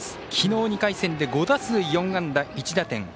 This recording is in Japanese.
きのう２回戦で５打数４安打１打点。